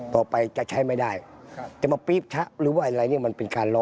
ต่อไปจะใช้ไม่ได้จะมาปี๊บชะหรือว่าอะไรเนี่ยมันเป็นการล้อ